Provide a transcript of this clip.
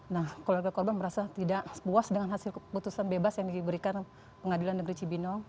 nah keluarga korban merasa tidak puas dengan hasil keputusan bebas yang diberikan pengadilan negeri cibinong